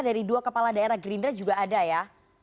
dari dua kepala daerah gerindra juga ada ya